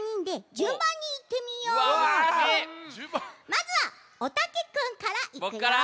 まずはおたけくんからいくよ。